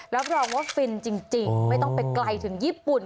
รับรองว่าฟินจริงไม่ต้องไปไกลถึงญี่ปุ่น